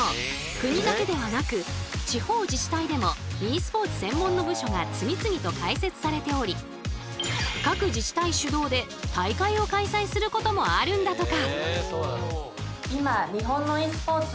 国だけではなく地方自治体でもｅスポーツ専門の部署が次々と開設されており各自治体主導で大会を開催することもあるんだとか。